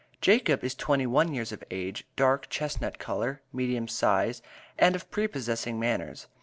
Jacob is twenty one years of age, dark chestnut color, medium size, and of prepossessing manners.